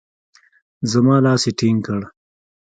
زما لاس يې ټينګ کړ.